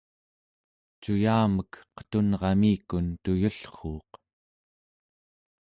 cuyamek qetunramikun tuyullruuq